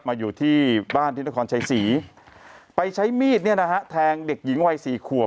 อยู่ที่บ้านที่นครชัยศรีไปใช้มีดเนี่ยนะฮะแทงเด็กหญิงวัย๔ขวบ